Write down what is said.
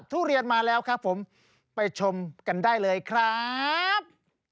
ทุเรียนมาแล้วครับผมไปชมกันได้เลยครับ